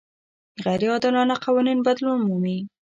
غیر عادلانه قوانین بدلون مومي.